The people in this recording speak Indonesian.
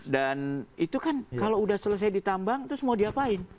dan itu kan kalau sudah selesai ditambang itu semua diapain